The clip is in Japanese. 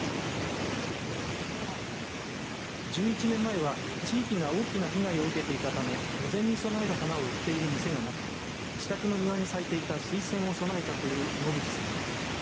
１１年前は地域が大きな被害を受けていたため墓前に供える花を売っている店がなく自宅の庭に咲いていたスイセンを供えたという信次さん。